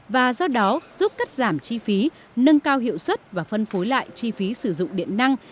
và do đó giúp cắt giảm chi phí nâng cao hiệu suất và phân phối lại chi phí sử dụng điện năng